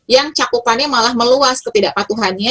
yang cakupannya malah meluas ketidakpatuhannya